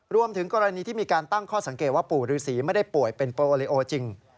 รวมถึงกรณีที่มีการตั้งข้อสังเกตว่าปู่ฤษีไม่ได้ป่วยเป็นโปรโอลิโอจริง